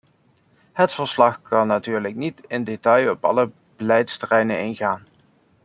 Het verslag kan natuurlijk niet in detail op alle beleidsterreinen ingaan.